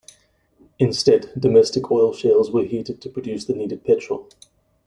Instead domestic oil shales were heated to produce the needed petrol.